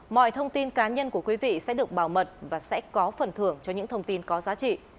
mọi thông tin cá nhân của quý vị sẽ được bảo mật và sẽ có phần thưởng cho những thông tin có giá trị